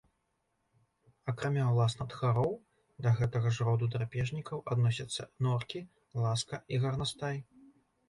Акрамя ўласна тхароў, да гэтага ж роду драпежнікаў адносяцца норкі, ласка і гарнастай.